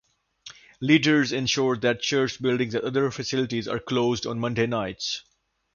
Leaders ensure that Church buildings and other facilities are closed on Monday nights.